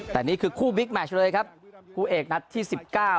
แต่นี่คือคู่บิ๊กแมชเลยครับคู่เอกนัดที่สิบเก้า